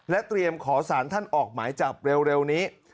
เตรียมขอสารท่านออกหมายจับเร็วนี้